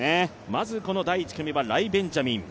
まずこの第１組はライ・ベンジャミン。